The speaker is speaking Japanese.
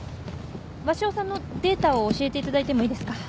鷲尾さんのデータを教えていただいてもいいですか？